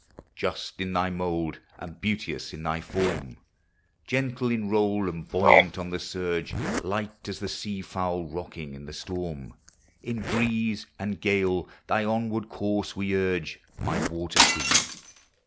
Just in thy mould and beauteous in thy form, Gentle in roll and buoyant on the surge, Light as the sea fowl rocking in the storm, In breeze and gale thy onward course we urge, My water queen